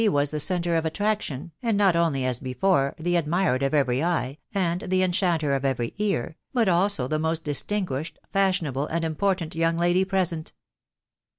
was the centre of attraction, and not only, as before, the ad mired of every eye, and the enchanter of every ear, bat also the moat distinguished, fashionable, and important young lady present.